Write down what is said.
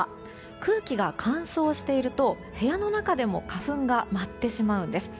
空気が乾燥していると部屋の中でも花粉が舞ってしまうんです。